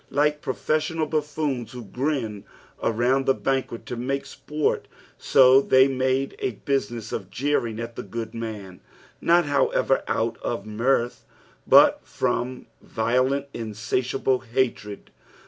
Like professional buffoons who grin around the banquet to make sport, so they made a business of jeering at the good man ; nol^ however, out of nurth, but from violent, insatiable hatred.